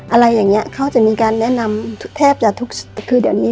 อะไรอย่างเงี้ยเขาจะมีการแนะนำแทบจะทุกคือเดี๋ยวนี้